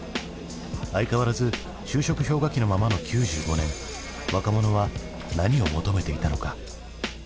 相変わらず就職氷河期のままの９５年若者は何を求めていたのか？